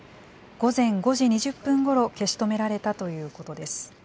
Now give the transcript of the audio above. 午前５時２０分ごろ、消し止められたということです。